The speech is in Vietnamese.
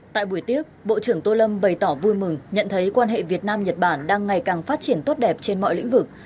tại buổi tiếp bộ trưởng tô lâm bày tỏ vui mừng nhận thấy quan hệ việt nam nhật bản đang ngày càng phát triển tốt đẹp trên mọi lĩnh vực